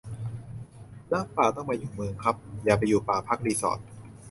รักป่าต้องมาอยู่เมืองครับ อย่าไปอยู่ป่าพักรีสอร์ต